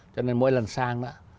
cho nên mỗi lần sang đó